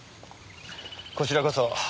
こちらこそ。